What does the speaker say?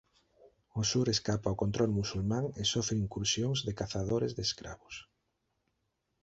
O sur escapa ao control musulmán e sofre incursións de cazadores de escravos.